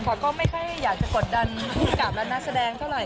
มาก็ไม่ค่อยควรกดดันผู้กำกับลักหน้าแสดงเท่าไร